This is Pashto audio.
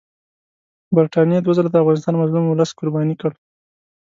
برټانیې دوه ځله د افغانستان مظلوم اولس قرباني کړ.